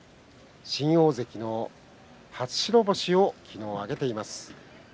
新大関の初白星を昨日挙げています。